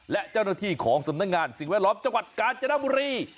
และเจ้าหน้าที่ของสำนักงานสิ่งแวดล้อมจังหวัดกาญจนบุรี